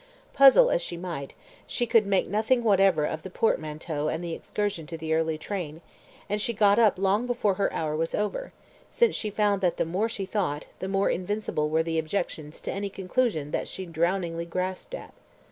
Puzzle as she might, she could make nothing whatever of the portmanteau and the excursion to the early train, and she got up long before her hour was over, since she found that the more she thought, the more invincible were the objections to any conclusion that she drowningly grasped at.